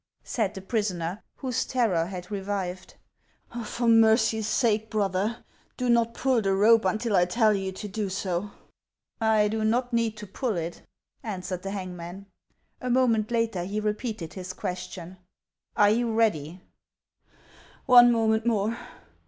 " said the prisoner, whose terror had revived; "for mercy's sake, brother, do not pull the rope until I tell you to do so !"" I do not need to pull it," answered the hangman. A moment later he repeated his question :" Are you ready ?"" One moment more